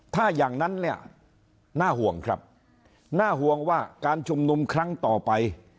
ถ้าอย่างนั้นเนี่ยน่าห่วงครับน่าห่วงว่าการชุมนุมครั้งต่อไป